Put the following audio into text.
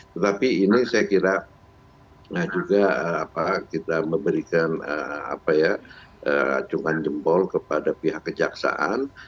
tetapi ini saya kira nah juga kita memberikan acungan jempol kepada pihak kejaksaan